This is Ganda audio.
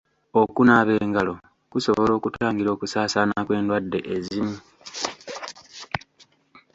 Okunaaba engalo kusobola okutangira okusaasaana kw'endwadde ezimu.